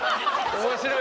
面白い。